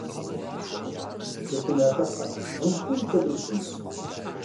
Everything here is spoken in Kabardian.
Цӏыхум яхыхьэ, вымпӏум хуэдэу ущымыт.